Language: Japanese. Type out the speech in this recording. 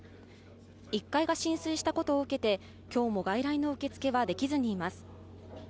１階が浸水したことを受けて、今日も外来の受付はできずにいます。